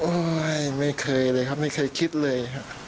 ไม่เคยเลยครับไม่เคยคิดเลยครับ